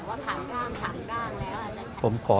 ผมให้พระพิทธิ์จะไปยื่นอายการ